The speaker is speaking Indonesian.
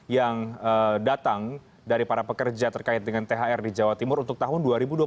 yang datang dari para pekerja terkait dengan thr di jawa timur untuk tahun dua ribu dua puluh satu